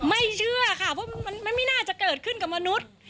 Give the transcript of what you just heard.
เชื่อค่ะเพราะมันไม่น่าจะเกิดขึ้นกับมนุษย์